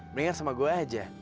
mendingan sama gue aja